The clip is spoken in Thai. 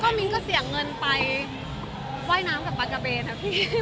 มิ้นก็เสียเงินไปว่ายน้ำกับปากาเบนอะพี่